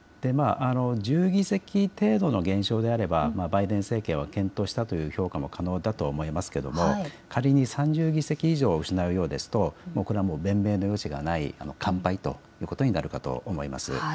１０議席程度の減少であればバイデン政権は健闘したという評価も可能だとは思いますが、仮に３０議席以上を失うようですとこれはもう、弁明の余地がない、完敗ということになるかと思います。